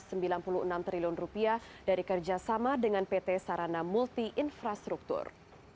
rp sembilan puluh enam triliun dari kerjasama dengan pt sarana multi infrastruktur